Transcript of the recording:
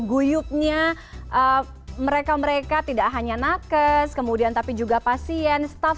guyupnya mereka mereka tidak hanya nakes kemudian tapi juga pasien staff